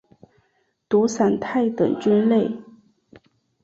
毒伞肽等菌类。